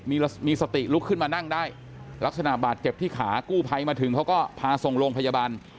มีสติลุกขึ้นมานั่งได้ลักษณะบาดเจ็บที่ขากู้ภัยมาถึงเขาก็พาส่งโรงพยาบาล